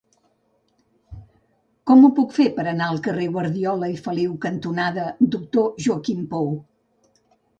Com ho puc fer per anar al carrer Guardiola i Feliu cantonada Doctor Joaquim Pou?